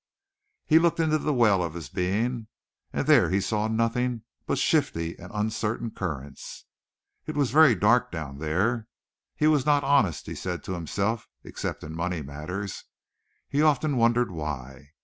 He looked into the well of his being and there he saw nothing but shifty and uncertain currents. It was very dark down there. He was not honest, he said to himself, except in money matters he often wondered why.